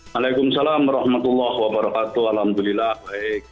waalaikumsalam warahmatullahi wabarakatuh alhamdulillah baik